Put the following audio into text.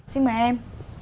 xin mời em